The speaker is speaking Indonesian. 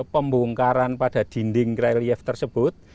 pembongkaran pada dinding relief tersebut